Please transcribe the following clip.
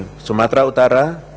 provinsi sumatera utara